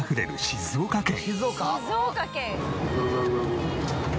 「静岡県」